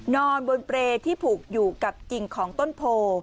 นอนบนเปรย์ที่ผูกอยู่กับกิ่งของต้นโพ